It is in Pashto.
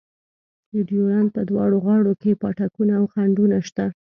د ډیورنډ په دواړو غاړو کې پاټکونه او خنډونه شته.